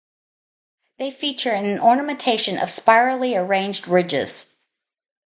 They feature an ornamentation of spirally arranged ridges.